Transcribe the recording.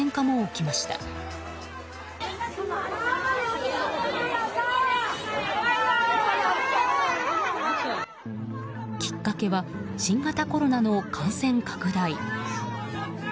きっかけは新型コロナの感染拡大。